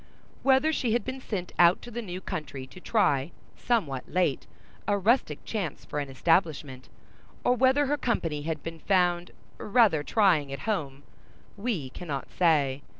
Whether she had been sent out to the new country to try, somewhat late, a rustic chance for an establishment, or whether her company had been found rather trying at home, we cannot say.